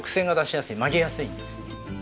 曲げやすいんですね。